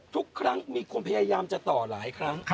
ทุกครั้งมีคนพยายามจะต่อหลายครั้ง